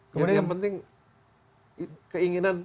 kemudian yang penting keinginan